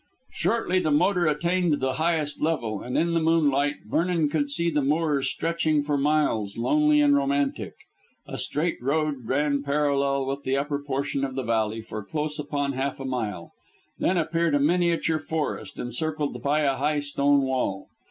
Shortly the motor attained the highest level, and in the moonlight Vernon could see the moors stretching for miles, lonely and romantic. A straight road ran parallel with the upper portion of the valley for close upon half a mile. Then appeared a miniature forest, encircled by a high stone wall.